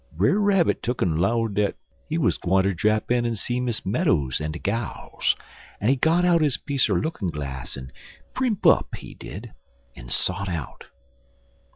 Brer Rabbit tuck'n 'low dat he wuz gwineter drap in en see Miss Meadows en de gals, en he got out his piece er lookin' glass en primp up, he did, en sot out.